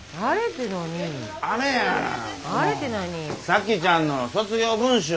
咲妃ちゃんの卒業文集。